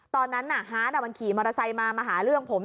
ตอนนั้นฮาร์ดมันขี่มอเตอร์ไซค์มามาหาเรื่องผม